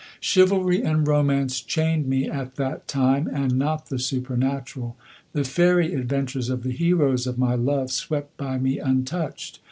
Chivalry and Romance chained me at that time and not the supernatural. The fairy adventures of the heroes of my love swept by me untouched.